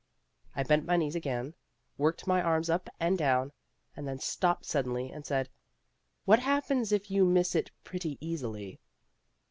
I bent my knees again, worked my arms up and down, and then stopped suddenly and said: "What happens if you miss it pretty easily?"